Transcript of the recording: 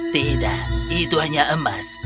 tidak itu hanya emas